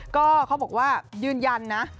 ก็เขาบอกว่ายืนยันนะ